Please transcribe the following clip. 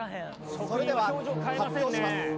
それでは発表します。